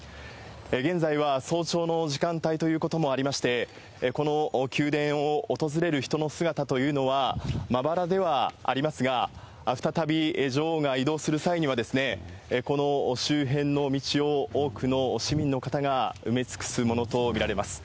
現在は早朝の時間帯ということもありまして、この宮殿を訪れる人の姿というのはまばらではありますが、再び女王が移動する際には、この周辺の道を、多くの市民の方が埋め尽くすものと見られます。